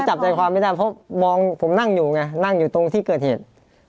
จับใจความไม่ได้เพราะมองผมนั่งอยู่ไงนั่งอยู่ตรงที่เกิดเหตุ